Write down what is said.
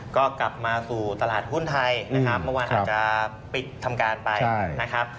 ก็กลับมาสู่ตลาดหุ้นไทยนะครับเมื่อวานอาจจะปิดทำการไปนะครับ